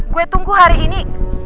gue tunggu hari ini